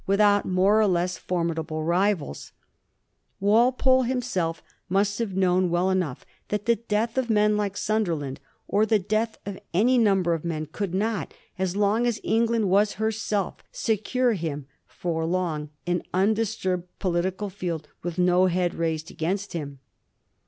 without more or less formidable rivals* Walpole himself must have known well enough that the death of men like Sunderland, or the death of any number of men, could not, so long as England was herself, secure him for long an undisturbed political field with no head raised against him.